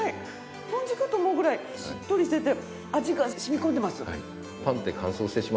スポンジかと思うぐらいしっとりしてて味が染み込んでます。